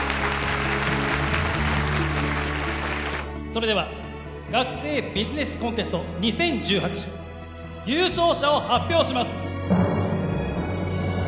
それでは学生ビジネスコンテスト２０１８優勝者を発表します